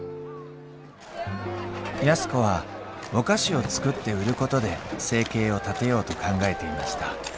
安子はお菓子を作って売ることで生計を立てようと考えていました。